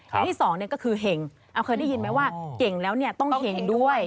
อันที่สองก็คือเห็งเคยได้ยินไหมว่าเก่งแล้วเนี่ยต้องเห็งด้วย